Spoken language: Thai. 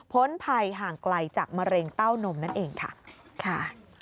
ภัยห่างไกลจากมะเร็งเต้านมนั่นเองค่ะ